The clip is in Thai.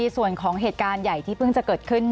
สวัสดีครับทุกคน